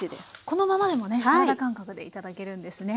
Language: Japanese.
このままでもねサラダ感覚で頂けるんですね。